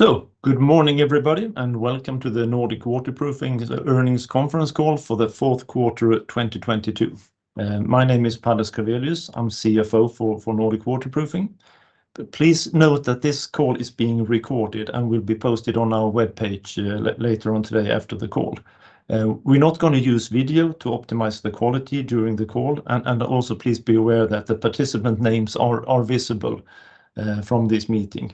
Good morning everybody, welcome to the Nordic Waterproofing Earnings Conference Call for the Q4 of 2022. My name is Per-Olof Schrewelius, I'm CFO for Nordic Waterproofing. Please note that this call is being recorded and will be posted on our webpage later on today after the call. We're not gonna use video to optimize the quality during the call. Also please be aware that the participant names are visible from this meeting.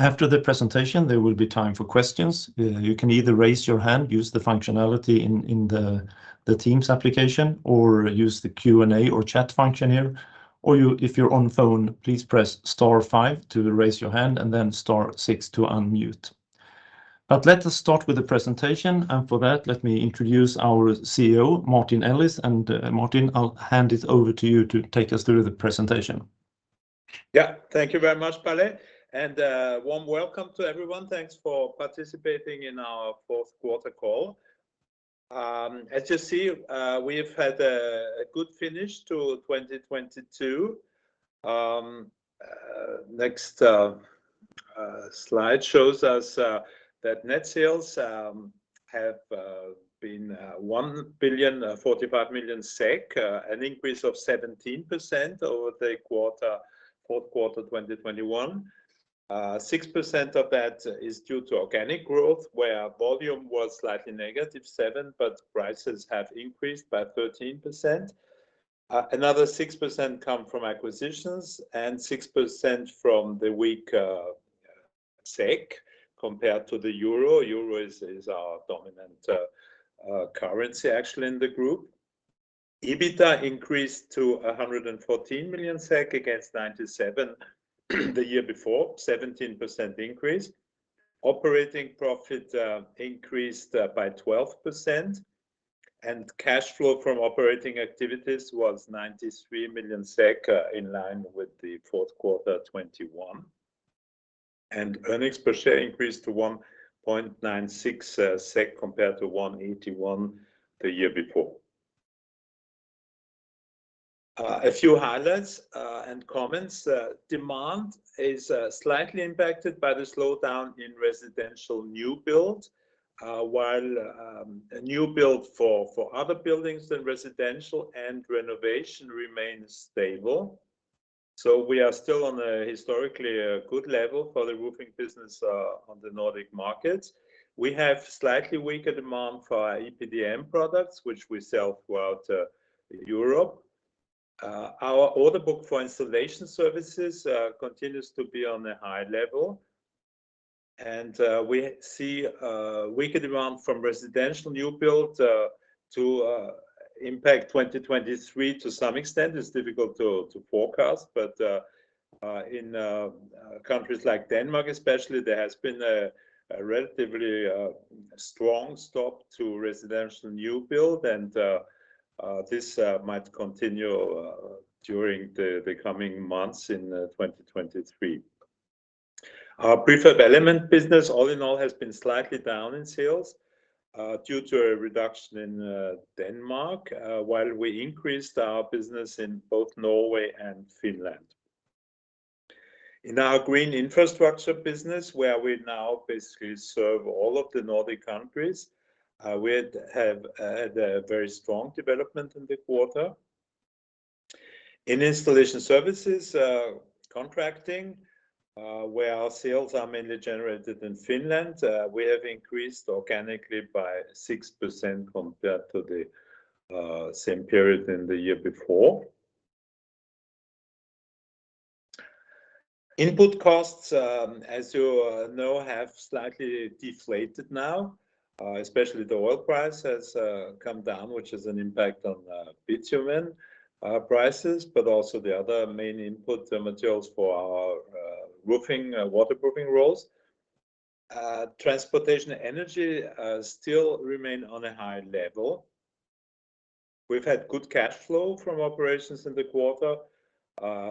After the presentation, there will be time for questions. You can either raise your hand, use the functionality in the Teams application, or use the Q&A or chat function here, or if you're on phone, please press star five to raise your hand and then star six to unmute. Let us start with the presentation. For that, let me introduce our CEO, Martin Ellis. Martin, I'll hand it over to you to take us through the presentation. Yeah. Thank you very much, Palle, warm welcome to everyone. Thanks for participating in our Q4 call. As you see, we've had a good finish to 2022. Next slide shows us that net sales have been 1.045 billion, an increase of 17% over the quarter, Q4 2021. 6% of that is due to organic growth, where volume was slightly -7%, prices have increased by 13%. Another 6% come from acquisitions and 6% from the weak SEK compared to the EUR. EUR is our dominant currency actually in the group. EBITA increased to 114 million SEK against 97 the year before, 17% increase. Operating profit increased by 12%, and cash flow from operating activities was 93 million SEK in line with the Q4 2021. Earnings per share increased to 1.96 SEK compared to 1.81 SEK the year before. A few highlights and comments. Demand is slightly impacted by the slowdown in residential new build, while new build for other buildings than residential and renovation remains stable. We are still on a historically a good level for the roofing business on the Nordic markets. We have slightly weaker demand for EPDM products, which we sell throughout Europe. Our order book for Installation Services continues to be on a high level. We see a weaker demand from residential new build to impact 2023 to some extent. forecast, but in countries like Denmark especially, there has been a relatively strong stop to residential new build and this might continue during the coming months in 2023. Our predevelopment business all in all, has been slightly down in sales due to a reduction in Denmark, while we increased our business in both Norway and Finland. In our Green Infrastructure business, where we now basically serve all of the Nordic countries, we have had a very strong development in the quarter. In Installation Services contracting, where our sales are mainly generated in Finland, we have increased organically by 6% compared to the same period in the year before Input costs, as you know, have slightly deflated now, especially the oil price has come down, which has an impact on bitumen prices, but also the other main input materials for our roofing, waterproofing rolls. Transportation energy still remain on a high level. We've had good cash flow from operations in the quarter.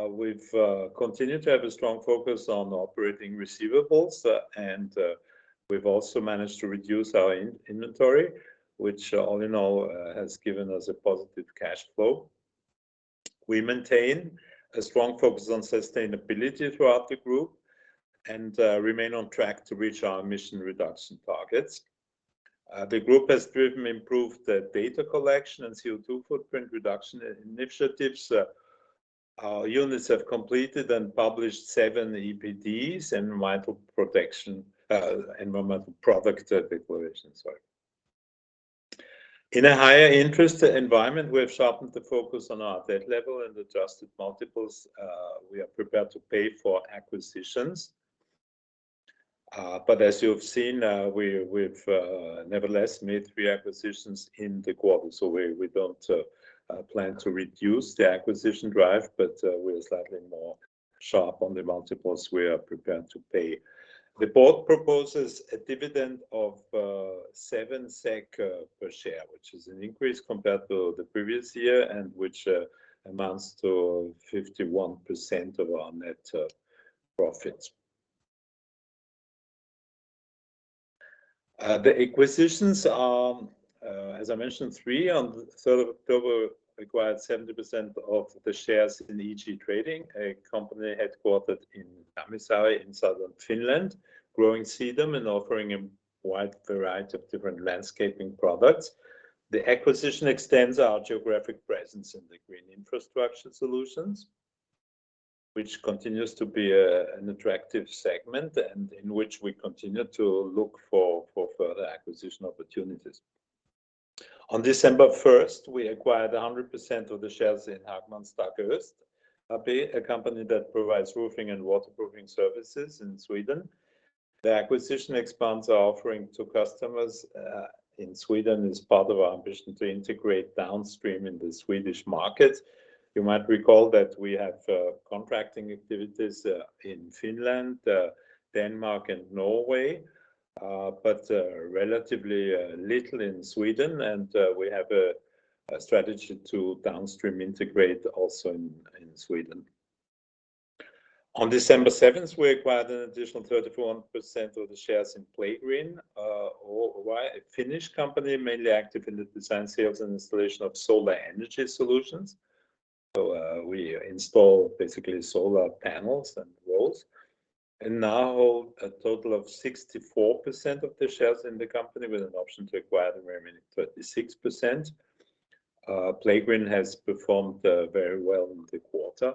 We've continued to have a strong focus on operating receivables, and we've also managed to reduce our in-inventory, which all in all, has given us a positive cash flow. We maintain a strong focus on sustainability throughout the group and remain on track to reach our emission reduction targets. The group has driven improved data collection and CO2 footprint reduction initiatives. Our units have completed and published seven EPDs and environmental protection, environmental product declarations, sorry. In a higher interest environment, we have sharpened the focus on our debt level and adjusted multiples we are prepared to pay for acquisitions. As you have seen, we've nevertheless made three acquisitions in the quarter. We, we don't plan to reduce the acquisition drive, but we're slightly more sharp on the multiples we are prepared to pay. The board proposes a dividend of 7 SEK per share, which is an increase compared to the previous year and which amounts to 51% of our net profits. The acquisitions are, as I mentioned, three. On October 3rd acquired 70% of the shares in EG-Trading, a company headquartered in Tammisaari in Southern Finland, growing sedum and offering a wide variety of different landscaping products. The acquisition extends our geographic presence in the Green Infrastructure solutions, which continues to be an attractive segment, and in which we continue to look for further acquisition opportunities. On December 1st, we acquired 100% of the shares in Hagmans Tak AB, a company that provides roofing and waterproofing services in Sweden. The acquisition expands our offering to customers in Sweden as part of our ambition to integrate downstream in the Swedish market. You might recall that we have contracting activities in Finland, Denmark and Norway, relatively little in Sweden. We have a strategy to downstream integrate also in Sweden. On December 7th, we acquired an additional 31% of the shares in Playgreen, a Finnish company mainly active in the design, sales and installation of solar energy solutions. We install basically solar panels and walls. Now a total of 64% of the shares in the company, with an option to acquire the remaining 36%. Playgreen has performed very well in the quarter.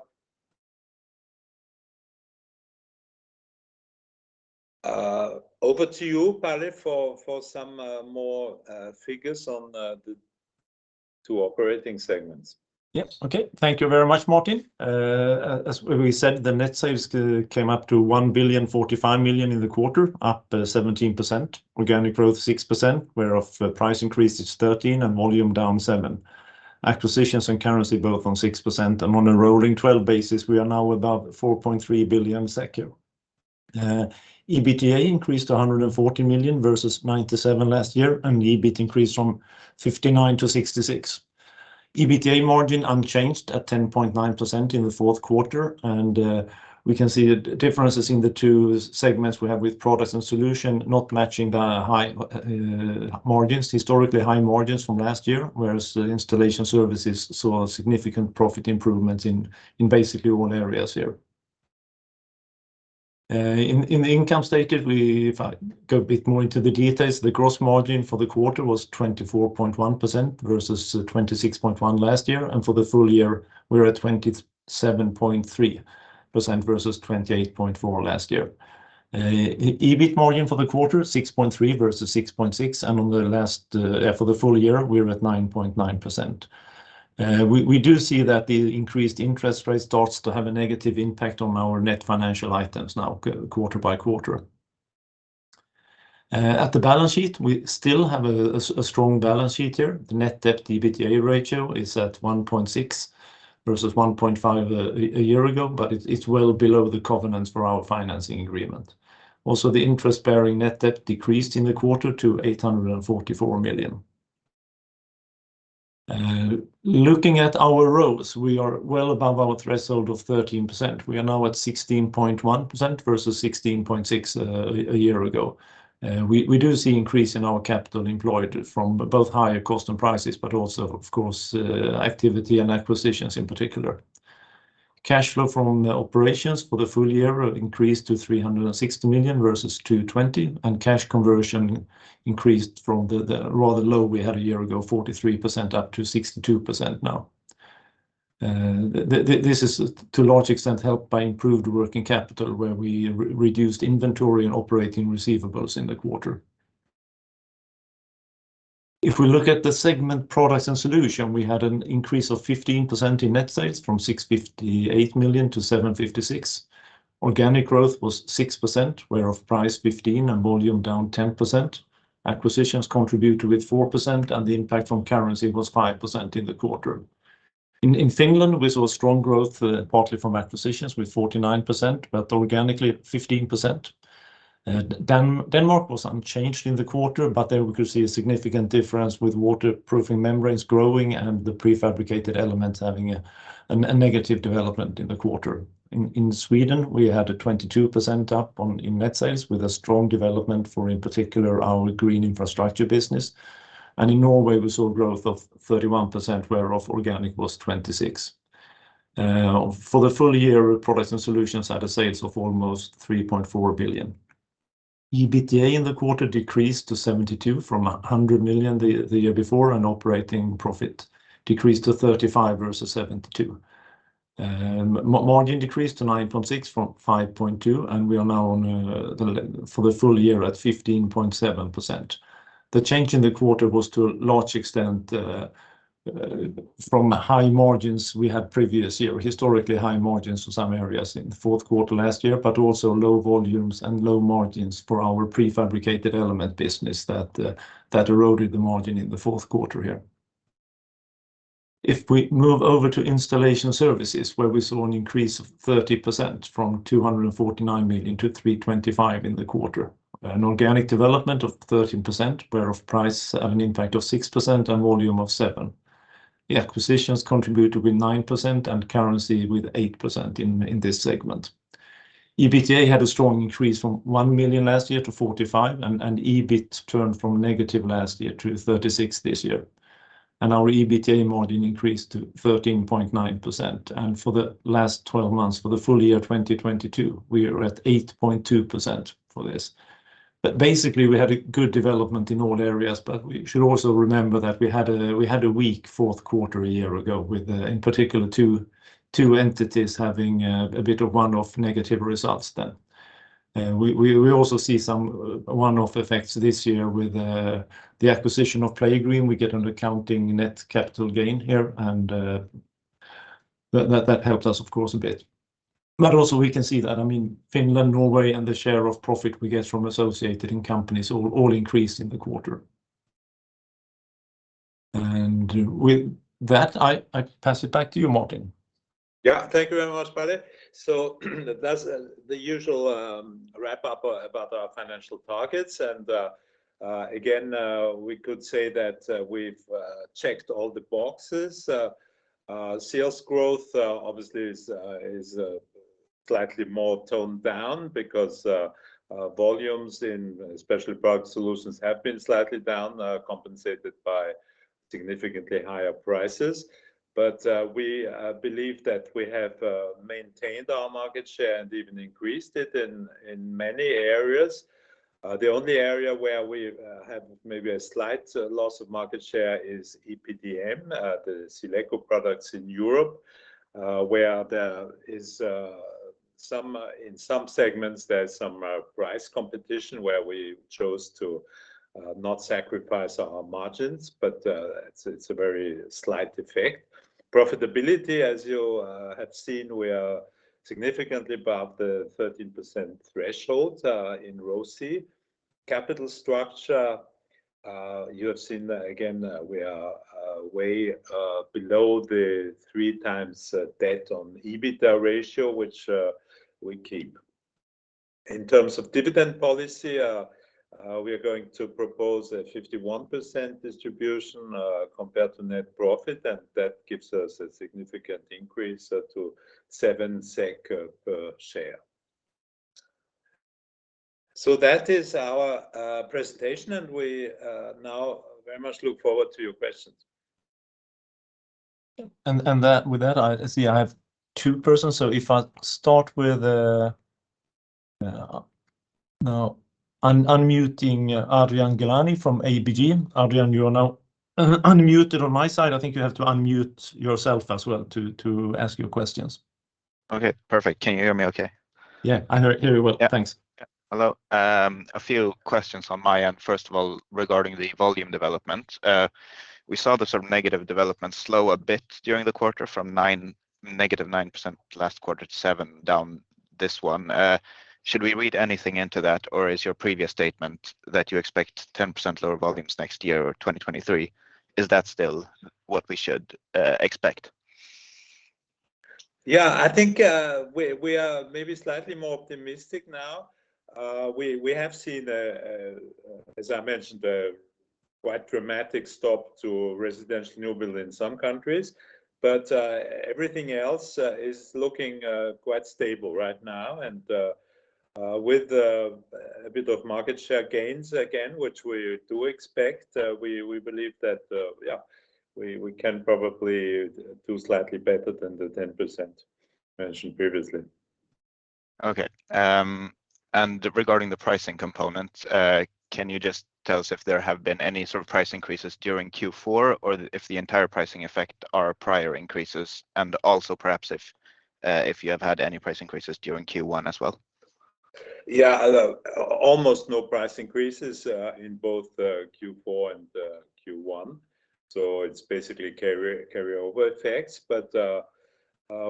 Over to you, Palle, for some more figures on the two operating segments. Yes. Okay. Thank you very much, Martin. As we said, the net sales came up to 1,045 million in the quarter, up 17%. Organic growth 6%, whereof price increase is 13 and volume down 7. Acquisitions and currency both on 6%. On a rolling twelve basis, we are now above 4.3 billion SEK. EBITDA increased to 140 million versus 97 last year, and EBIT increased from 59 to 66. EBITDA margin unchanged at 10.9% in the Q4. We can see differences in the two segments we have with Products & Solutions not matching the high margins, historically high margins from last year, whereas the Installation Services saw significant profit improvements in basically all areas here. In the income statement, if I go a bit more into the details, the gross margin for the quarter was 24.1% versus 26.1 last year. For the full year, we're at 27.3% versus 28.4 last year. EBIT margin for the quarter, 6.3 versus 6.6. For the full year, we're at 9.9%. We do see that the increased interest rate starts to have a negative impact on our net financial items now quarter-by-quarter. At the balance sheet, we still have a strong balance sheet here. The net debt to EBITDA ratio is at 1.6 versus 1.5 a year ago. It's well below the covenants for our financing agreement. The interest-bearing net debt decreased in the quarter to 844 million. Looking at our ROCE, we are well above our threshold of 13%. We are now at 16.1% versus 16.6% a year ago. We do see increase in our capital employed from both higher cost and prices, but also of course, activity and acquisitions in particular. Cash flow from operations for the full year increased to 360 million versus 220 million, and cash conversion increased from the rather low we had a year ago, 43%, up to 62% now. This is to a large extent helped by improved working capital, where we reduced inventory and operating receivables in the quarter. If we look at the segment Products & Solutions, we had an increase of 15% in net sales from 658 million to 756 million. Organic growth was 6%, whereof price 15% and volume down 10%. Acquisitions contributed with 4% and the impact from currency was 5% in the quarter. In Finland, we saw strong growth, partly from acquisitions with 49%, organically at 15%. Denmark was unchanged in the quarter, there we could see a significant difference with waterproofing membranes growing and the Prefabricated Elements having a negative development in the quarter. In Sweden, we had a 22% up on in net sales with a strong development for, in particular, our Green Infrastructure business. In Norway we saw growth of 31%, whereof organic was 26%. For the full year, Products & Solutions had a sales of almost 3.4 billion. EBITDA in the quarter decreased to 72 million from 100 million the year before, and operating profit decreased to 35 million versus 72 million. Margin decreased to 9.6% from 5.2%, and we are now for the full year at 15.7%. The change in the quarter was to a large extent from high margins we had previous year, historically high margins for some areas in the Q4 last year, but also low volumes and low margins for our Prefabricated Elements business that eroded the margin in the Q4 here. If we move over to Installation Services, where we saw an increase of 30% from 249 million to 325 million in the quarter. An organic development of 13%, whereof price have an impact of 6% and volume of 7%. The acquisitions contributed with 9% and currency with 8% in this segment. EBITDA had a strong increase from 1 million last year to 45 million, and EBIT turned from negative last year to 36 million this year. Our EBITDA margin increased to 13.9%. For the last 12 months, for the full year 2022, we are at 8.2% for this. Basically, we had a good development in all areas. We should also remember that we had a weak Q4 a year ago with, in particular, two entities having a bit of one-off negative results then. We also see some one-off effects this year with the acquisition of Playgreen. We get an accounting net capital gain here, and that helps us, of course, a bit. Also we can see that, I mean, Finland, Norway, and the share of profit we get from associated companies all increased in the quarter. With that, I pass it back to you, Martin. Yeah. Thank you very much, Palle. That's the usual, wrap-up about our financial targets. Again, we could say that we've checked all the boxes. Sales growth obviously is slightly more toned down because volumes in Special Product Solutions have been slightly down, compensated by significantly higher prices. We believe that we have maintained our market share and even increased it in many areas. The only area where we have maybe a slight loss of market share is EPDM, the SealEco products in Europe, where there is some in some segments, there's some price competition where we chose to not sacrifice our margins, but it's a very slight effect. Profitability, as you have seen, we are significantly above the 13% threshold in ROSI. Capital structure, you have seen again, we are way below the 3x debt on EBITDA ratio, which we keep. In terms of dividend policy, we are going to propose a 51% distribution compared to net profit. That gives us a significant increase to 7 SEK per share. That is our presentation. We now very much look forward to your questions. With that, I see I have two persons. If I start with the, now I'm unmuting Adrian Gilani from ABG. Adrian, you are now unmuted on my side. I think you have to unmute yourself as well to ask your questions. Okay, perfect. Can you hear me okay? Yeah, I hear you well. Yeah. Thanks. Hello. A few questions on my end. First of all, regarding the volume development. We saw the sort of negative development slow a bit during the quarter from 9%, negative 9% last quarter to 7% down this one. Should we read anything into that, or is your previous statement that you expect 10% lower volumes next year or 2023, is that still what we should expect? I think, we are maybe slightly more optimistic now. We have seen, as I mentioned, a quite dramatic stop to residential new build in some countries. Everything else is looking quite stable right now. With a bit of market share gains again, which we do expect, we believe that, we can probably do slightly better than the 10% mentioned previously. Okay. Regarding the pricing component, can you just tell us if there have been any sort of price increases during Q4, or if the entire pricing effect are prior increases? Perhaps if you have had any price increases during Q1 as well. Yeah. Almost no price increases in both Q4 and Q1. It's basically carryover effects.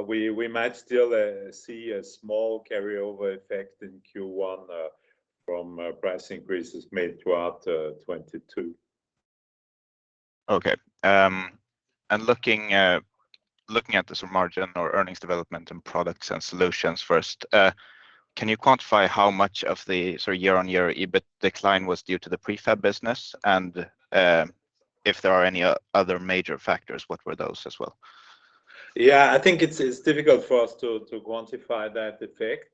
We might still see a small carryover effect in Q1 from price increases made throughout 2022. Okay. Looking, looking at the sort of margin or earnings development and Products & Solutions first, can you quantify how much of the sort of year-on-year EBIT decline was due to the prefab business? If there are any other major factors, what were those as well? Yeah. I think it's difficult for us to quantify that effect,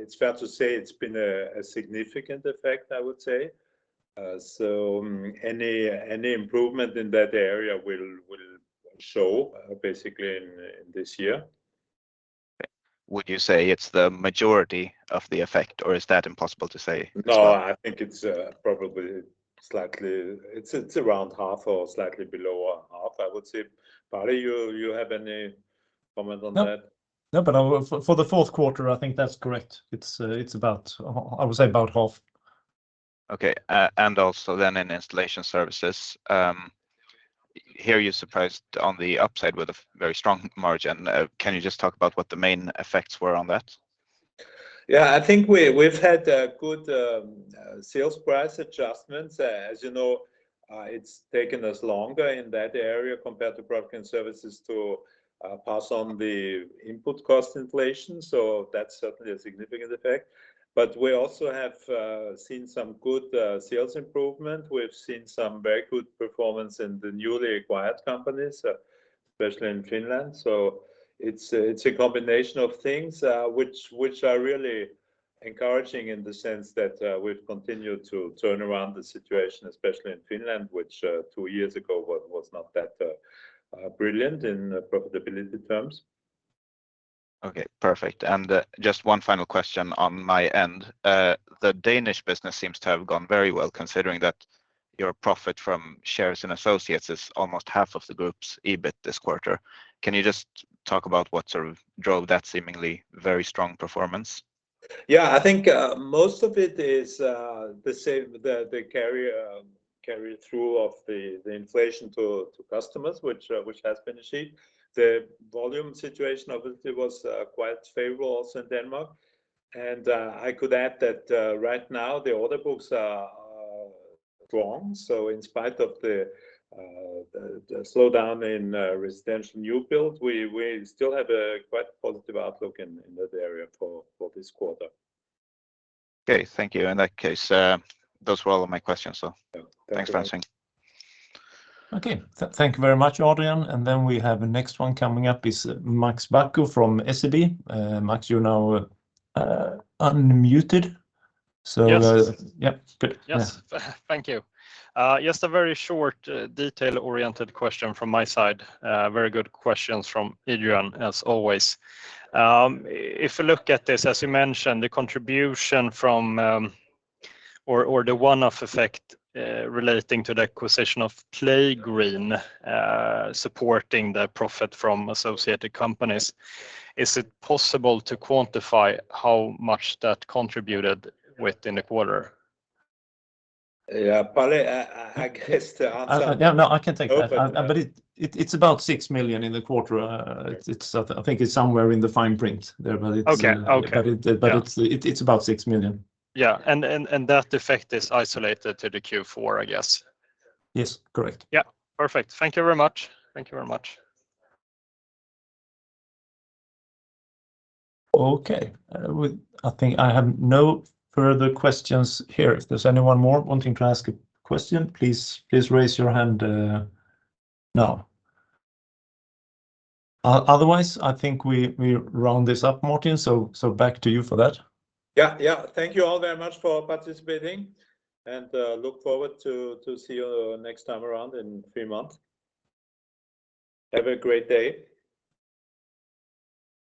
but it's fair to say it's been a significant effect, I would say. Any improvement in that area will show basically in this year. Would you say it's the majority of the effect, or is that impossible to say as well? No, I think it's probably around half or slightly below half, I would say. Palle, you have any comment on that? No, for the Q4, I think that's correct. It's about I would say about half. Okay. In Installation Services, here you surprised on the upside with a very strong margin. Can you just talk about what the main effects were on that? Yeah, I think we've had good sales price adjustments. As you know, it's taken us longer in that area compared to Product and Services to pass on the input cost inflation. That's certainly a significant effect. We also have seen some good sales improvement. We've seen some very good performance in the newly acquired companies, especially in Finland. It's a combination of things, which are really encouraging in the sense that we've continued to turn around the situation, especially in Finland, which two years ago was not that brilliant in profitability terms. Okay. Perfect. Just one final question on my end. The Danish business seems to have gone very well considering that your profit from shares in associates is almost half of the group's EBIT this quarter. Can you just talk about what sort of drove that seemingly very strong performance? I think most of it is the same, the carry-through of the inflation to customers, which has been achieved. The volume situation obviously was quite favorable also in Denmark and I could add that right now the order books are strong. In spite of the slowdown in residential new build, we still have a quite positive outlook in that area for this quarter. Okay. Thank you. In that case, those were all of my questions. Thanks. Thank you very much. Okay. Thank you very much, Adrian. We have a next one coming up is Max Backo from SEB. Max, you're now unmuted. Yes. Yep. Good. Yes. Yeah. Thank you. Just a very short detail-oriented question from my side. Very good questions from Adrian as always. If you look at this, as you mentioned, the contribution from, or the one-off effect, relating to the acquisition of Playgreen, supporting the profit from associated companies, is it possible to quantify how much that contributed within the quarter? Yeah, Palle, I guess. I, yeah, no, I can take that. Okay. It's about 6 million in the quarter. It's, I think it's somewhere in the fine print there, but it's. Okay. Okay. It's. Yeah... it's about 6 million. Yeah. That effect is isolated to the Q4, I guess? Yes. Correct. Yeah. Perfect. Thank you very much. Thank you very much. Okay. I think I have no further questions here. If there's anyone more wanting to ask a question, please raise your hand, now. Otherwise, I think we round this up, Martin. back to you for that. Yeah, yeah. Thank you all very much for participating and look forward to see you next time around in three months. Have a great day.